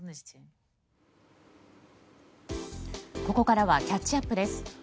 ここからはキャッチアップです。